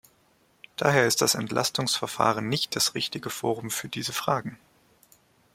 Daher ist das Entlastungsverfahren nicht das richtige Forum für diese Fragen.